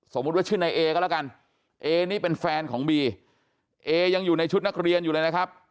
ว่าชื่อนายเอก็แล้วกันเอนี่เป็นแฟนของบีเอยังอยู่ในชุดนักเรียนอยู่เลยนะครับ